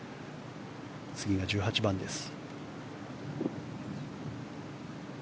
次が１８番です。